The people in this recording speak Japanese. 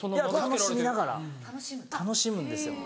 楽しみながら楽しむんですよ。